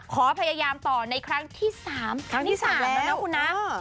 ขอพยายามต่อในครั้งที่๓ครั้งที่๓แล้วนะคุณนะ